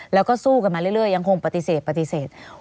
แล้วก็สู้กันมาเรื่อยยังคงปฏิเสธปฏิเสธ